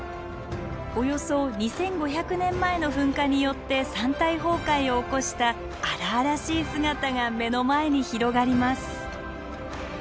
およそ２，５００年前の噴火によって山体崩壊を起こした荒々しい姿が目の前に広がります。